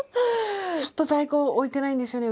ちょっと在庫置いてないんですよね